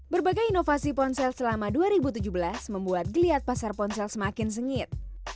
berbagai inovasi ponsel selama dua ribu tujuh belas membuat geliat pasar ponsel semakin sengit